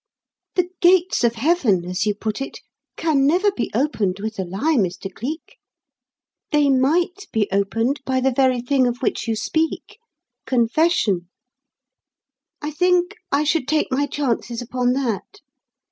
"The 'Gates of Heaven,' as you put it, can never be opened with a lie, Mr. Cleek. They might be opened by the very thing of which you speak confession. I think I should take my chances upon that.